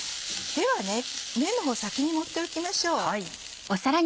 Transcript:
では麺のほう先に盛っておきましょう。